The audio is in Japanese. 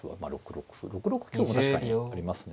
６六香も確かにありますね。